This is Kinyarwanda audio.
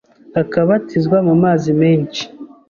akabatizwa mu mazi menshi,